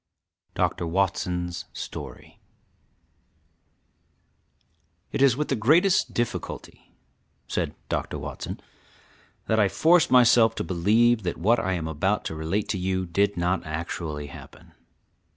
[DR. WATSON'S STORY.] It is with the greatest difficulty, (said Dr. Watson), that I force myself to believe that what I am about to relate to you did not actually happen.